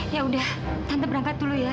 ya udah tetap berangkat dulu ya